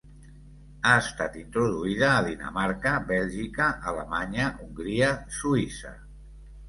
Ha estat introduïda a Dinamarca, Bèlgica, Alemanya, Hongria, Suïssa.